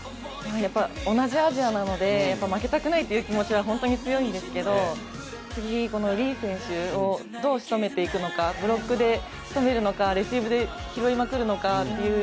同じアジアなのでやっぱり負けたくないという気持ちは本当に強いんですけど次、リ選手をどう仕留めていくのがブロックで仕留めるのかレシーブで拾いまくるのかという